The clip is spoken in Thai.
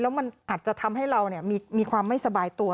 มันอาจจะทำให้เรามีความไม่สบายตัว